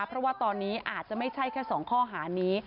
เพราะว่าตอนนี้อาจจะไม่ใช่แค่๒ข้อหานี้